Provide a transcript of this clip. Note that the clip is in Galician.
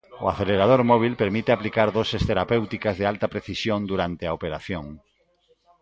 O acelerador móbil permite aplicar doses terapéuticas de alta precisión durante a operación.